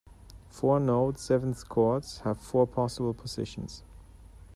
Four-note seventh chords have four possible positions.